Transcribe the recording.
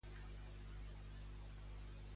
Com van els nostres rotllets de sushi d'Aguila sushi?